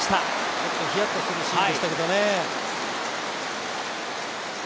ちょっとヒヤッとするシーンでしたけどね。